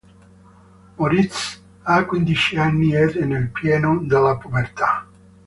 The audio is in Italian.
Moritz ha quindici anni ed è nel pieno della pubertà.